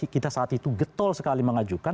kita saat itu getol sekali mengajukan